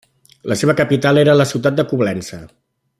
La seva capital era la ciutat de Coblença.